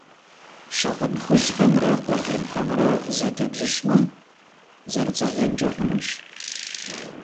Щыгъын хужьхэмрэ къуэлэнхэмрэ зэдэбжьыщӏмэ, зэрыцӏэлэнкӏэ хъунущ.